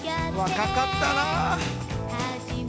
若かったな。